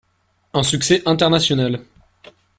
Un succès international.